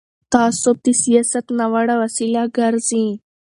تعصب د سیاست ناوړه وسیله ګرځي